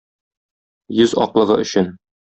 Йөз аклыгы өчен.